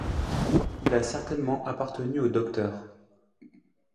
Il a certainement appartenu au Dr.